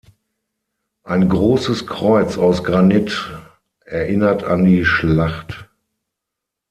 Ein grosses Kreuz aus Granit erinnert an die Schlacht.